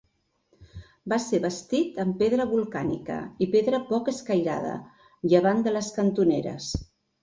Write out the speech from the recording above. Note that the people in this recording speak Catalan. Va ser bastit amb pedra volcànica i pedra poc escairada llevant de les cantoneres.